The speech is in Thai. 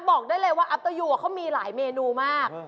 บอกได้เลยว่าอัพเตอร์ยูเขามีหลายเมนูมาก